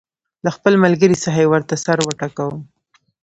له خپل ملګري څخه یې ورته سر وټکاوه.